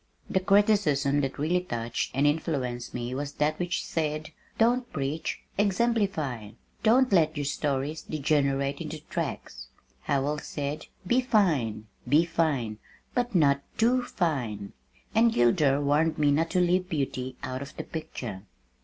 The criticism that really touched and influenced me was that which said, "Don't preach, exemplify. Don't let your stories degenerate into tracts." Howells said, "Be fine, be fine but not too fine!" and Gilder warned me not to leave Beauty out of the picture.